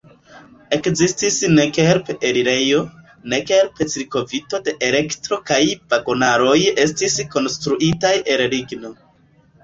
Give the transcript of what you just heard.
Ekzistis nek help-elirejo, nek help-cirkvito de elektro kaj vagonaroj estis konstruitaj el ligno.